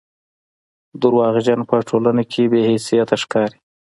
درواغجن په ټولنه کښي بې حيثيته ښکاري